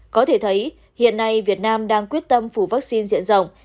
có thể thấy hiện nay việt nam đang quyết tâm phủ vaccine diện rộng